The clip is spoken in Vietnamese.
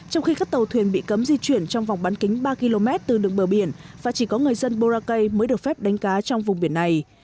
trong khi các tàu thuyền bị cấm di chuyển trong vòng bán kính ba km từ đường bờ biển và chỉ có người dân boracay mới được phép đánh cá trong vùng biển này